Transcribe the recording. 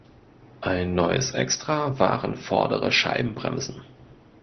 Ein neues Extra waren vordere Scheibenbremsen.